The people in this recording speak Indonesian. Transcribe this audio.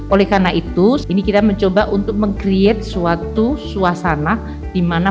oleh karena itu ini kita mencoba untuk meng create suatu suasana di mana